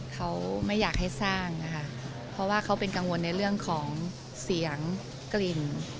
เขาไม่อยากให้สร้างนะคะเพราะว่าเขาเป็นกังวลในเรื่องของเสียงกลิ่น